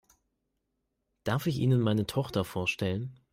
Darf ich Ihnen meine Tochter vorstellen?